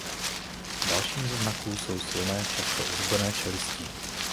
Dalším ze znaků jsou silné často ozubené čelisti.